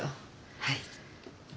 はい。